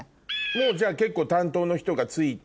もうじゃ結構担当の人が付いて。